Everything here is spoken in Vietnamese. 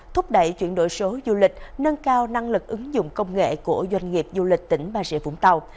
thúc đẩy chuyển đổi số du lịch nâng cao năng lực ứng dụng công nghệ của doanh nghiệp du lịch tỉnh bà rịa vũng tàu